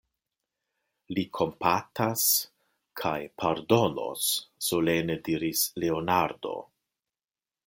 Li kompatas kaj pardonos, solene diris Leonardo.